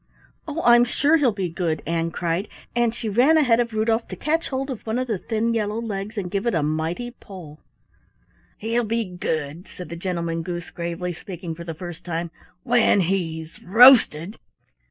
"Oh, I'm sure he'll be good," Ann cried, and she ran ahead of Rudolf to catch hold of one of the thin yellow legs and give it a mighty pull. "He'll be good," said the Gentleman Goose gravely, speaking for the first time, "when he's roasted.